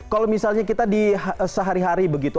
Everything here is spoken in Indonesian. kalau misalnya kita di sehari hari begitu